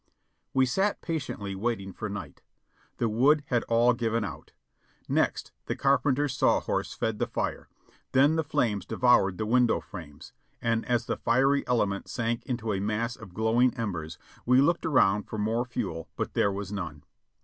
We sat patiently waiting for night. The wood had all given out. Next the carpenter's saw horse fed the fire, then the flames devoured the window frames, and as the fiery element sank into a mass of glowing embers, we looked around for more fuel but there was none.